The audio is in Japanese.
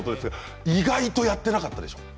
意外とやっていなかったでしょう。